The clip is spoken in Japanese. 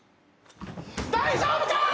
大丈夫か！